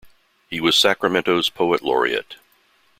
He was Sacramento's poet laureate.